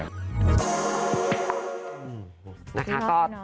นะคะก็